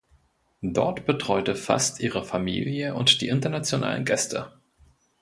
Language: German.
Dort betreute Fast ihre Familie und die internationalen Gäste.